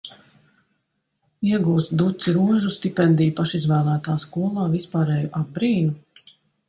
Iegūst duci rožu, stipendiju pašizvēlētā skolā, vispārēju apbrīnu?